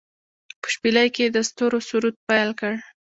په شپیلۍ کې يې د ستورو سرود پیل کړ